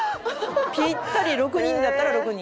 ぴったり６人だったら６人。